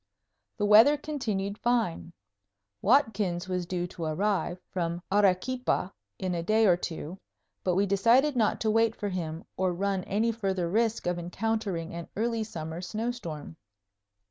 The weather continued fine. Watkins was due to arrive from Arequipa in a day or two, but we decided not to wait for him or run any further risk of encountering an early summer snowstorm.